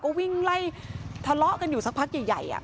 ก็วิ่งไล่ทะเลาะกันอยู่สักพักใหญ่